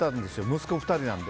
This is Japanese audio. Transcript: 息子２人なので。